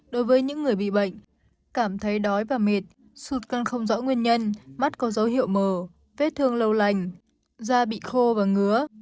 đối với những người bị bệnh cảm thấy đói và mệt sụt tăng không rõ nguyên nhân mắt có dấu hiệu mờ vết thương lâu lành da bị khô và ngứa